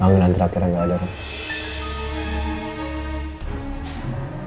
bangunan terakhir yang gak ada pak